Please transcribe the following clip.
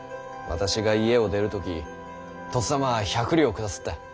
私が家を出る時とっさまは１００両下さった。